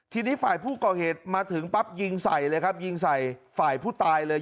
ทีนี้ฝ่ายผู้ก่อเหตุมาถึงปั๊บยิงใส่เลยครับยิงใส่ฝ่ายผู้ตายเลย